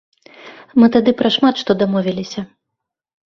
Мы тады пра шмат што дамовіліся.